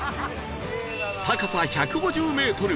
高さ１５０メートル